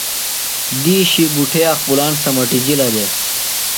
دِیشیۡ بُٹھے اخپُلان سمَٹِجِلہ دےۡ۔